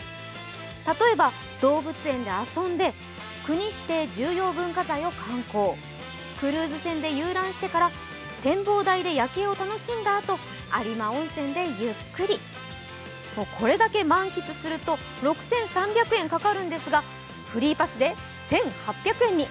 例えば動物園で遊んで国指定重要文化財を観光クルーズ船で遊覧してから展望台で夜景を楽しんだあと、有馬温泉でゆっくりこれだけ満喫すると６３００円かかるんですが、フリーパスで１８００円に。